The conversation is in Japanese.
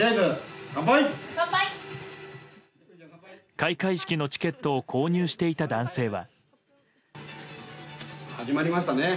開会式のチケットを購入していた男性は。